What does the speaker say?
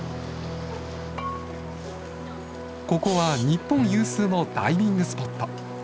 ここは日本有数のダイビングスポット。